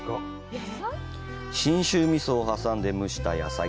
信州味噌を挟んで蒸した野菜。